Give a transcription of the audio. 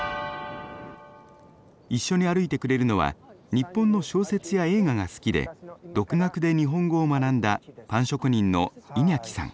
一緒に歩いてくれるのは日本の小説や映画が好きで独学で日本語を学んだパン職人のイニャキさん。